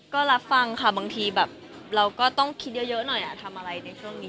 ก็รับฟังค่ะบางทีน็ต้องคิดเยอะหน่อยคงทำอะไรอยู่ในช่วงนี้